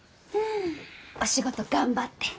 お仕事頑張って！